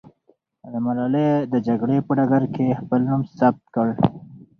ملالۍ د جګړې په ډګر کې خپل نوم ثبت کړ.